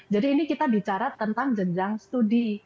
jadi ini kita bicara tentang jenjang studi